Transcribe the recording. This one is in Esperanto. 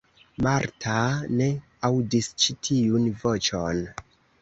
Marta ne aŭdis ĉi tiun voĉon.